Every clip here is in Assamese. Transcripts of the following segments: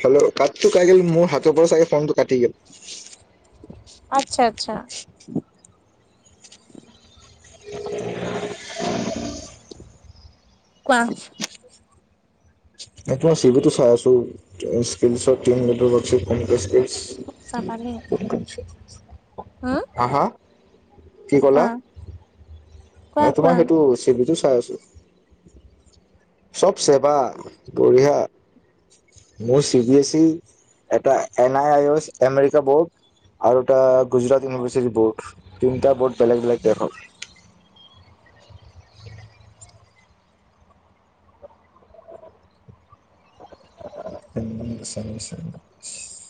হেল্ল'। কাতটো কাই গেল মোৰ হাতৰ পৰা চাগে ফোনটো কাটি গ'ল। আচ্ছা, আচ্ছা। [inaudible] কোৱা? এইটো মই চি বি টো চাই আছো্। [unintelligible] চাবালে, হম। [unintelligible] হা হা কি কলা? কোৱা ন, কোৱা তোমাৰ কোৱা সেইটো চাই আছো। চব চেবা বঢ়িয়া মোৰ চি বি এছ ই এটা N I I S America board. আৰু এটা গুজৰাট ইউনিভাৰ্চিটি বৰ্ড তিনিটা বৰ্ড বেলেগ বেলেগ দেশৰ। [unintelligible] নি্চ নি্চ [unintelligible]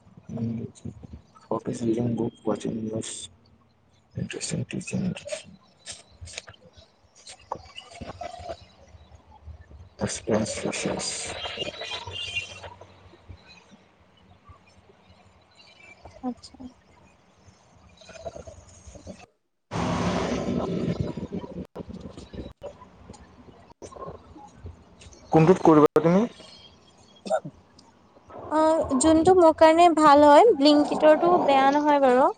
নি [unintelligible] আচ্ছা। [inaudible] কোনটোত কৰিবা তুমি? অ', যোনটো মোৰ কাৰণে ভাল হয়, ব্লিংকটৰটো বেয়া নহয় বাৰু। [unintelligible]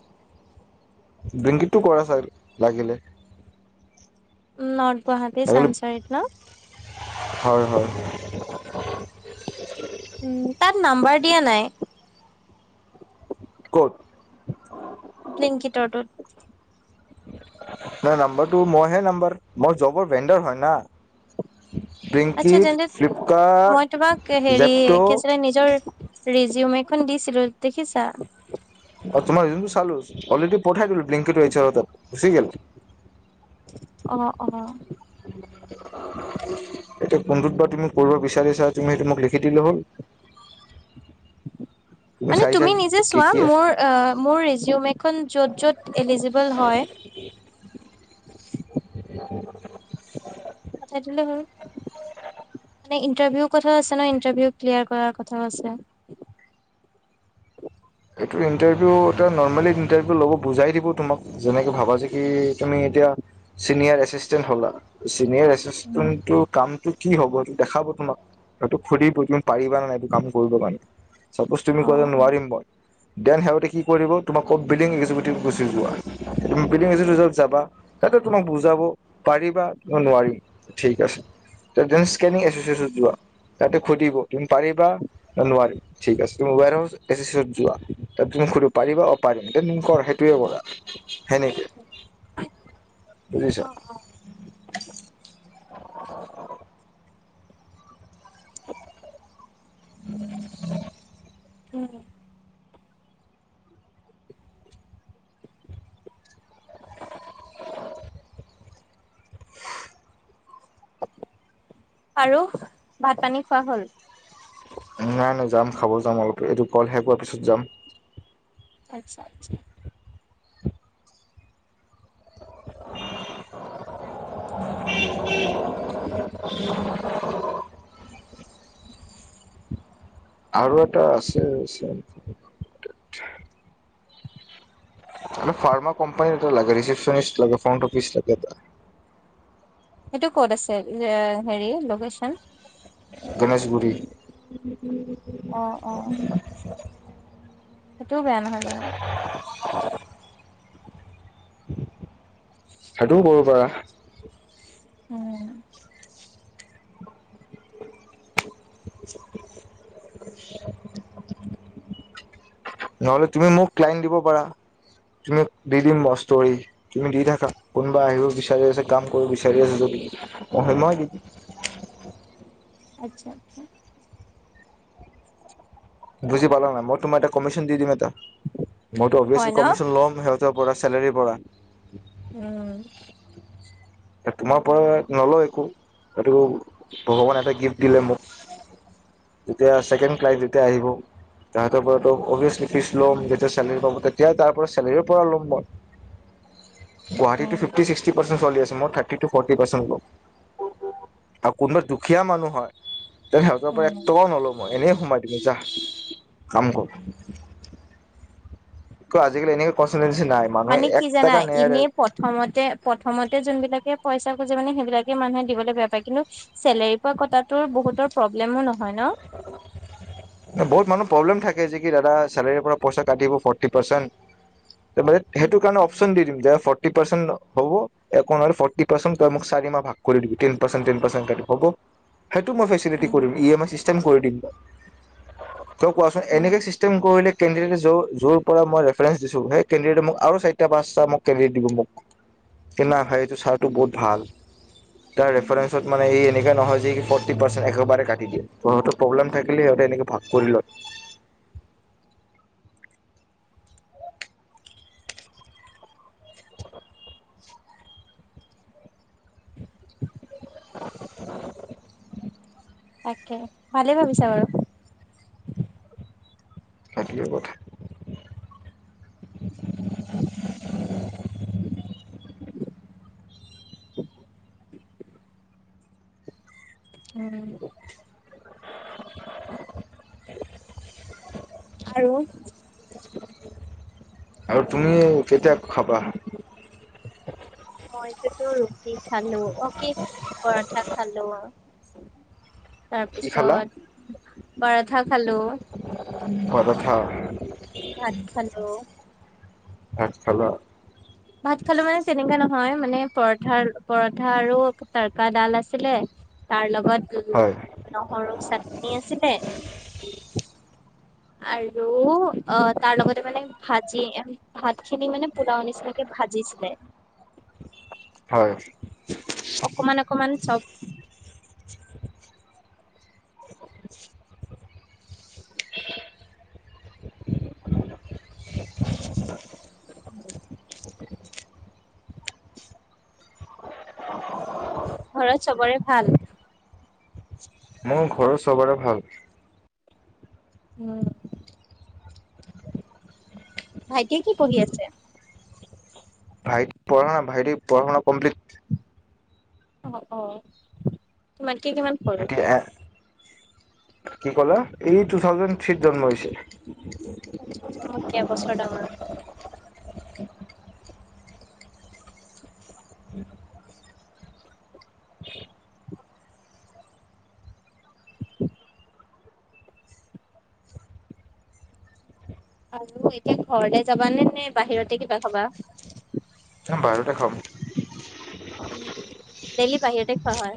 ব্লিংকটটু কৰা চ লাগিলে। উম [unintelligible] ন গুৱাহাটী লাগিলে চানচাৰীত ন? হয়, হয়, হয়। উম, তাত নাম্বাৰ দিয়া নাই। ক'ত? ব্লিংকটৰ টোত। ন নাম্বাৰটো মই হে নাম্বাৰ মোৰ জবৰ ভেণ্ডাৰ হয়, না। আচছা, ব্লিংকিত তেন্তে ফ্লিপকাৰ্ট মই তোমাক হেৰি ছিল জেপট' [unintelligible] নিজৰ ৰিজীওম [unintelligible] খন দিছিলো, দেখিছা? তোমাৰ যোনটো চালো, অলৰেডি পঠাই দিলো, ব্লিংকটৰ গুচি গ'ল। অ। অঁ। এতিয়া কোনটো ত বা তুমি কৰিব বিচৰা? চা, তুমি সেইটো মোক লিখি দিলে হ'ল। মানে, চাই চাই তুমি নিজে কি চোৱা কি আছে মোৰ মোৰ ৰেডিঅ'মেট [unintelligible] খন য'ত, য'ত এলিজিবল হয়, [inaudible] পঠাই দিলে হ'ল মানে ইন্টাৰভিউৰ কথা আছে ন, ইন্টাৰভিউ ক্লিয়াৰ কৰাৰ কথাও আছে। এইটো ইন্টাৰভিউ এ নৰ্মেলি ইণ্টাৰভিউ লব, বুজাই দিব তোমাক যেনেকে ভাবা যে কি তুমি এতিয়া চিনিয়ৰ এচিচন্টেত হলা। [unintelligible] জুনিয়ৰ উম এচিচণ্টেণ্ট কোনটো কাম। টো কি হ'ব সেইটো দেখাব তোমাক সটো সুধিব তুমি পাৰিবা নাই এইটো কাম কৰিব কাৰণে। [unintelligible] চাপোজ তুমি অ ক' নোৱাৰিম ব। দেন সিহঁতে কি কৰিব তোমাৰ কম্পেনিং গুচি যোৱা কম্পেনিং [unintelligible] সেইটো তোমাক বুজাব। পাৰিবাম নোৱাৰিম ঠিক আছে [unintelligible] নিং এচিয়চন যোৱা তাতে সুধিব তুমি পাৰিবা নোৱাৰিম ঠিক [unintelligible] ৱ হাউচ এিয়েন। যোৱা ত তম সুৰি পাৰিবা অপাৰিম এম ক সেইটোৱে কৰা সেনেকে বুজিছ। অ ম। উম। [unintelligible] আৰু ভাত পানী খোৱা হল। নাই নাই যাম খাব যাম অলপ এইটো কল শেষ হোৱাৰ পিছত যাম। আচ্ছা আচ্ছা [unintelligible] [unintelligible] আৰু এটা আছিল চফ। [unintelligible] আ ফাৰ্মা কোম্পানী এটা লাগে ৰিচিপশ্যনিষ্ট লাগে ফ্ৰন্ট অফিচ লাগেটা। সেইটো ক'ত আছে হেৰি লোকেশ্যন। গণেশগুৰি। অ। অ। সেইটোও বেয়া নহয় বাৰু। [unintelligible] সেইটো কৰিব পৰা। উম। নহলে তুমি মোক ক্লাইণ্ট দিব পাৰা তুমি দি দিম মস্তৰি তুমি দি থাকা কোনোবা আহিব বিচাৰি আছা কাম কৰিব বিচাৰি আছ যদি। আচ্ছা আচ্ছা। বুজি পালা ন ইোম এটা কমিশন দিম এটা। মইতো হয় অভিয়েচলি ন কমিশন ল'ম সিহত। পৰা চেলেৰীৰ পৰা। উম। ঠিক। তোমাৰ পৰা নলওঁ একো এইটো ভগৱানে এটা গিফ্ট দিলে মোক তেতিয়া ছেকেণ্ড ক্লাইছ যেতিয়া আহিব তাহতৰ পৰা অভিয়েচলি ফিচ ল'ম যেতিয়া চলেৰী পাব তেতিয়া তাৰ পৰা চেলেৰীৰ পৰা ল'ম মই। গুৱাহাটীটো উম ফিফটি ছ্সটি পাৰ্চেট চলি আছে। মই থাৰ্টি টো ফৰটি পাৰ্চেন্ত হব আৰু কোনোবা দুখীয়া মানুহ হয়। তেই সেতৰ পৰা এক উম। টকাও নলো মই এনেই। সোমাই দিব যাহ কাম কৰ। ত আজিকালি এনেকে কষ্ট। মানে কি জানা এনে প্ৰথমতে প্ৰথমতে যোন বিলাকে। পইচা খজি মানে সেইবিলাকে মানুহে দিবলৈ বেয়া পায় কিন্তু চেলেৰী পোৱা কত টো বহুতৰ প্ৰব্লেমো নহয়। ন বহুত মানুহ প্ৰব্লেম থাকে। যে কি দাদা চেলাৰীৰ পৰা পইচা কাটিব ফ'ৰ্টি পাৰ্চেণ্ট সেইটো কাৰে উম অপচন দিম যে ফৰ্টি পাৰ্চেণ্ট হ'ব এক নহ'লে ফি পাৰ্চেণ্ তই মোক চাৰি মাহ ভাগ কৰি দিব টেন পাৰ্চেট টন প্চেণ্ট হব। সেইটো মই ফেচিলেটি উম কৰিম ই এম আই কৰি দিম ত কোৱাচোন এনেকে উম চিষ্টেম কৰিলে। কেণ্ডিডেট যোৰ পৰা মই ৰেফাৰেঞ্চ দিছো সেই কেণ্ডিডেটে মোক আৰু চাৰিটা পাঁচটা মোক কেণ্ডিডেট দিব মোক কি না ভাই এইটো ছাৰটো বহুত ভাল। তাৰ উম ৰেফাৰেঞ্চত মানে এই এনেকা নহয় যে কি ফৰ্টি পাৰ্চেট একেবাৰোটি দিয়ে। সহঁতৰ প্ৰব্লেম থাকিলে সিহঁতে এনেকে ভাগ কৰি লম। [inaudible] তাকে ভালেই ভাবিছা বাৰু সেইটোৱে কথা উম। [inaudible] আৰু [inaudible] আৰু তুমি কেতিয়া খাবা মই যে। টো ৰুটি খালো অ কি পৰঠা খালো। তাৰ কি খালা পিছত পাৰাঠা খালোঁ। পৰঠা। ভাত খালো ভাত খালা? ভাত খালো মানে তেনেকা ন হয় মানে পৰঠা পৰঠা আৰু তাৰকা ডাল আছিলে তাৰ লগত বাত কলো হয় নহৰু চাটনি আছিলে। আৰু অ তাৰ লগতে মানে ভাজি এ ভাত ভাতখিনি মানে পুলাৱ নিচিনা দিছিলে। হয় অকমান অকমান চব। [inaudible] [inaudible] [inaudible] [unintelligible] [inaudible] ঘৰত চবৰে ভাল? মোৰ ঘৰ চবৰে ভাল। উম ভাইটিয়ে কি পঢ়ি আছে? ভাইটি পঢ়া ভাইটি পঢ়া শুনা কমপ্লিট। অ অ তোমাৰ। কিমান পঢ়ে? ভাইটি এ কি কলে? এই টু থাউজেণ্ড থ্ৰীত জন্ম হৈছে। মোত কে এবছৰ ডাঙৰ। [inaudible] [unintelligible] [inaudible] [inaudible] আৰু এতিয়া ঘৰলে যাবানে নে বাহিৰতে কিবা খাবা? বাহিৰতে খাম। ডেইলি বাহিৰতে খোৱা হয়।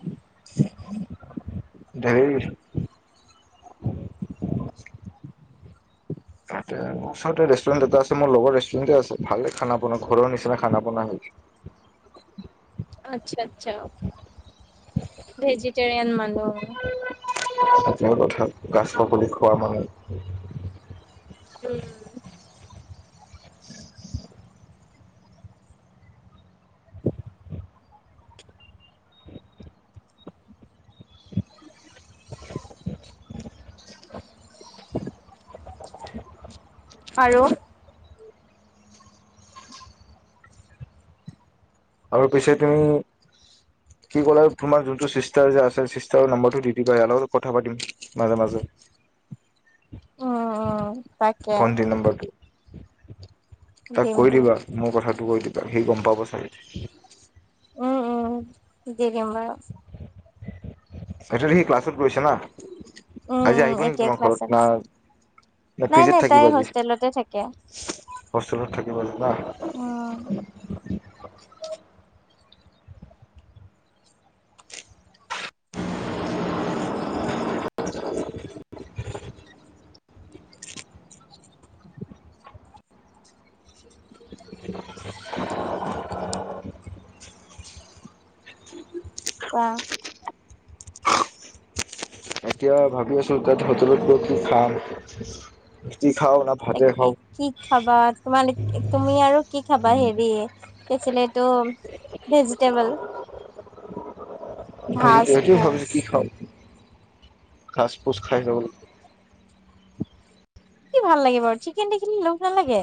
ধেৰি তাতে ওচৰতে ৰেষ্টুৰেণ্ট এটা আছে। মোৰ লগৰ ৰেষ্টুৰেণ্টে আছে, ভাল খানা পনা ঘৰৰ নিচিনা খানা পনা হৈ। আচ্ছা আচ্ছা। ভেজিটেৰিয়ন মানুহ। অ। হয়। তেওঁ কথা গছ ককলি [unintelligible] খোৱাবা নি? উম। [inaudible] [inaudible] [inaudible] আৰু আৰু পিছে তুমি কি ক'লা, তোমাৰ যোনটো চিষ্টাৰ যে আছে, চিষ্টাৰৰ নম্বৰটো দি দিবা। ইয়াৰ লগত কথা পাতিম মাজে মাজে। উম উম তাকে ভন্তিৰ নম্বৰটো [inaudible] তাক দিম কৈ দিম। দিবা মোৰ কথা। কৈ দিবা সেই গম পাব চাগে। [inaudible] উম উম। দি দিম বাৰু। সেইটো সি ক্লাছত গৈছে না? উম আজি উম আহিব নেকি এতিয়া তোমাৰ ক্লাছত আছে। ঘৰত, না নাই পিজিত নাই তাই থাকিব আজি? হোষ্টেলতে থাকে। হোষ্টেলত থাকিব আজি। [inaudible] উম [inaudible] ক এতিয়া ভাবি আছো তাত হোটেলত গৈ কি খাম। ৰুটি খাওঁ না ত ভাতে খাওঁ কি খাবা তোমাৰ, তুমি আৰু কি খাবা হেৰি, আছিল ইটো ভেজিটেবল, ঘাচ সেইটোৱে ফোজ ঘাস পোচ খায় হ'ল। কি ভাল লাগে বাৰু চিকেন দেখিলে লোভ নালাগে?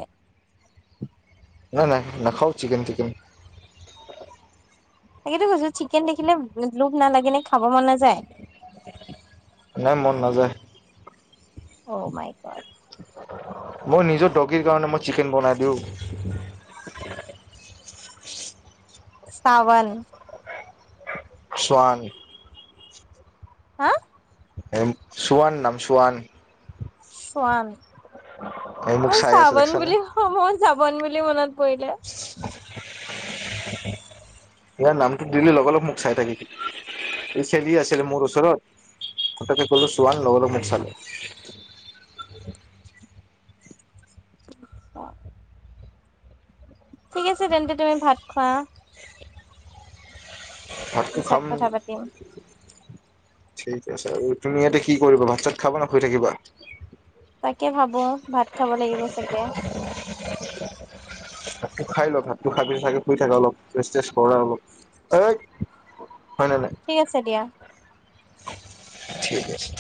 নাই নাই, নাখাও চিকেন টিকেন। তাকেতো কৈছো চিকেন দেখিলে লোভ নালাগে নে? খাব মন নাযায় নাই মন নাযায়। Oh my god. মই নিজৰ ডগীৰ কাৰণে মই চিকেন বনাই দিওঁ। চাৱন। শোৱান হা চোৱান নাম চোৱান চোৱান এই মোক মই চাই আছে চাবন দেখিছানে বুলি মই চাবন বুলি মনত পৰিলে ইয়াৰ নামটো দিলে লগা লগ মোক চাই থাকে এই খেলি আছিলে মোৰ ওচৰত কথাতা কলো চোৱান লগা লগ মোক চালে অ ঠিক আছে তেন্তে তুমি ভাত খোৱা ভাতটো পিছত খাম কথা পাতিম ঠিক আছে আৰু তুমি ইয়াতে কি কৰিবা ভাত চাত খাবা নে শুই থাকিবা তাকে ভাবো ভাত খাব লাগিব চাগে খাই লোৱা ভাতটো খাই পিনে শুই থাকা অলপ ৰেষ্ট চেষ্ট কৰা অলপ হয় নে নাই ঠিক আছে দিয়া ঠিক আছে